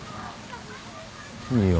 いいよ。